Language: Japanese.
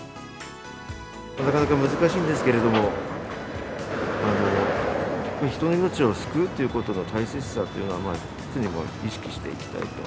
なかなか難しいんですけれども、人の命を救うっていうことの大切さというのは、常に意識していきたいと。